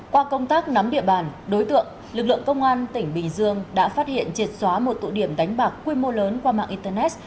qua công tác nắm địa bàn đối tượng lực lượng công an tỉnh bình dương đã phát hiện triệt xóa một tụ điểm đánh bạc quy mô lớn qua mạng internet